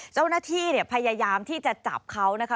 เจ้าหน้าที่เนี่ยพยายามที่จะจับเขานะคะ